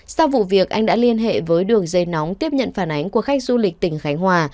sau vụ việc anh đã liên hệ với đường dây nóng tiếp nhận phản ánh của khách du lịch tỉnh khánh hòa